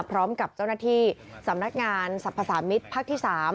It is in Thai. พร้อมกับเจ้ย์หน้าที่สำนักงานสัพพระสามิทพที๓